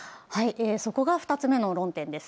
そこが２つ目の論点です。